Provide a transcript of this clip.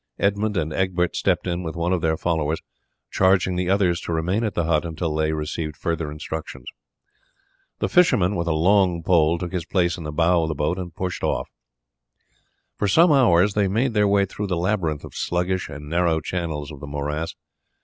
Edmund and Egbert stepped in with one of their followers, charging the others to remain at the hut until they received further instructions. The fisherman with a long pole took his place in the bow of the boat and pushed off. For some hours they made their way through the labyrinth of sluggish and narrow channels of the morass.